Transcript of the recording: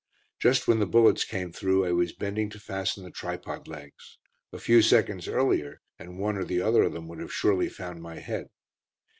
Just when the bullets came through I was bending to fasten the tripod legs. A few seconds earlier and one or other of them would have surely found my head.